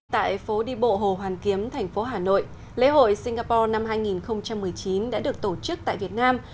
tại phố đi bộ hồ hoàn kiếm thành phố hà nội lễ hội singapore năm hai nghìn một mươi chín đã được tổ chức tại việt nam